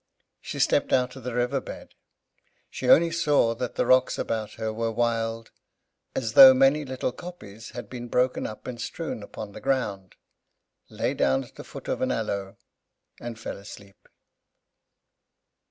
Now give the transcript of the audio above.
She stepped out of the river bed. She only saw that the rocks about her were wild, as though many little kopjes had been broken up and strewn upon the ground, lay down at the foot of an aloe, and fell asleep.